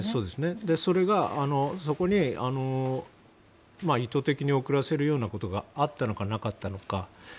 そこに意図的に遅らせるようなことがあったのか、なかったのか。